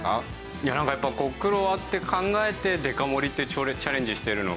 いやなんかやっぱ苦労あって考えてデカ盛りっていうチャレンジしてるのがね